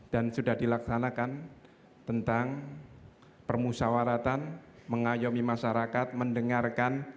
dan sudah dilaksanakan tentang permusawaratan mengayomi masyarakat mendengarkan